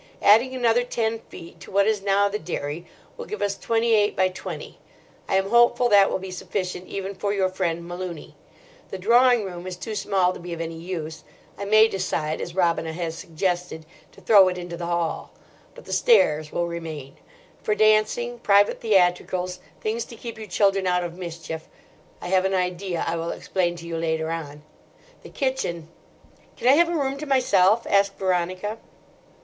Adding another ten feet to what is now the dairy will give us twenty eight by twenty. I am hopeful that will be sufficient even for your friend Malooney. The drawing room is too small to be of any use. I may decide—as Robina has suggested—to 'throw it into the hall.' But the stairs will remain. For dancing, private theatricals—things to keep you children out of mischief—I have an idea I will explain to you later on. The kitchen—" "Can I have a room to myself?" asked Veronica.